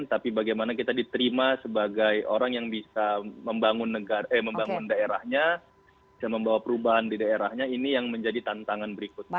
tapi bagaimana kita diterima sebagai orang yang bisa membangun daerahnya bisa membawa perubahan di daerahnya ini yang menjadi tantangan berikutnya